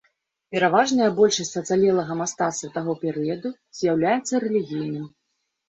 Пераважная большасць ацалелага мастацтва таго перыяду з'яўляецца рэлігійным.